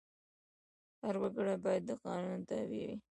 هر وګړی باید د قانون تابع وي.